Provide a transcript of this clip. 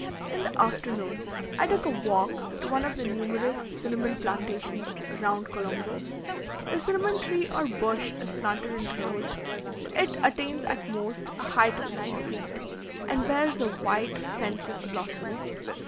In the afternoon I took a walk to one of the numerous cinnamon plantations round Colombo. The cinnamon tree or bush is planted in rows; it attains at most a height of nine feet, and bears a white, scentless blossom.